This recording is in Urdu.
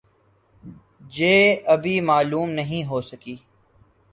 جہ ابھی معلوم نہیں ہو سکی